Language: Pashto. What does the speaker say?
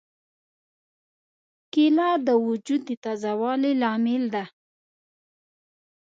کېله د وجود د تازه والي لامل ده.